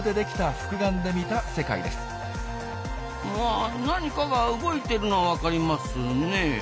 あ何かが動いてるのは分かりますねえ。